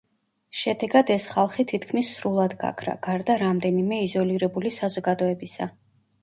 შედეგად, ეს ხალხი თითქმის სრულად გაქრა, გარდა რამდენიმე იზოლირებული საზოგადოებისა.